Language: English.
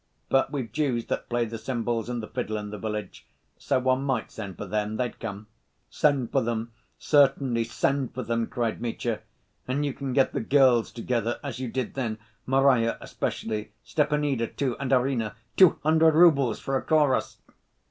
But we've Jews that play the cymbals and the fiddle in the village, so one might send for them. They'd come." "Send for them. Certainly send for them!" cried Mitya. "And you can get the girls together as you did then, Marya especially, Stepanida, too, and Arina. Two hundred roubles for a chorus!"